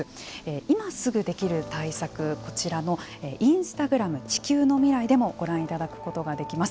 今すぐできる対策はこちらのインスタグラム地球のミライでもご覧いただくことができます。